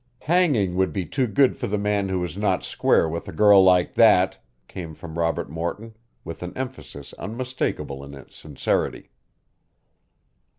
"Hanging would be too good for the man who was not square with a girl like that," came from Robert Morton with an emphasis unmistakable in its sincerity.